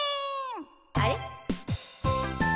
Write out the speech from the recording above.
あれ？